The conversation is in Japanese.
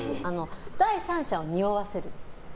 第三者をにおわせる。